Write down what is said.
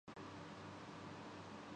Pakistan super league